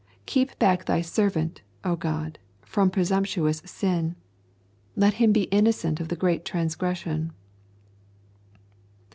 Keep back Thy servant, O God, from presumptuous sin. Let him be innocent of the great transgression.